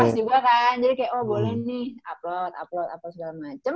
jadi kan pas juga kan jadi kayak oh boleh nih upload upload upload segala macem